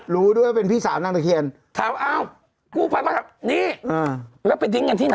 อ๋อรู้ด้วยเป็นพี่สาวนางตะเคียนถามอ้าวนี่แล้วไปดิ้งกันที่ไหน